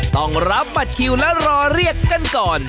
ต้องรับบัตรคิวและรอเรียกกันก่อน